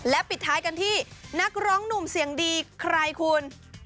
ปิดท้ายกันที่นักร้องหนุ่มเสียงดีใครคุณ